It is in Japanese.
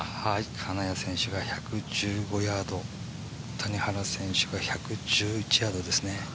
金谷選手が１１５ヤード、谷原選手が１１１ヤードですね。